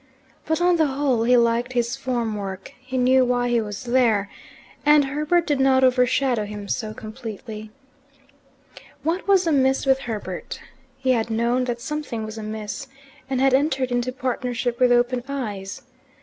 But on the whole he liked his form work: he knew why he was there, and Herbert did not overshadow him so completely. What was amiss with Herbert? He had known that something was amiss, and had entered into partnership with open eyes.